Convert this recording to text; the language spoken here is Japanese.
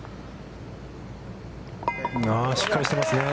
しっかりしていますね。